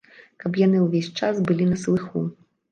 Каб яны ўвесь час былі на слыху.